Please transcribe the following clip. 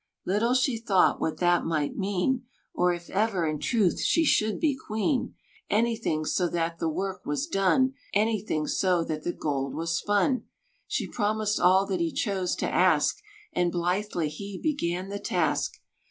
Little she tho't what that might mean, Or if ever in truth she should be queen Anything, so that the work was done Anything, so that the gold was spun! She promised all that he chose to ask; And blithely he began the task.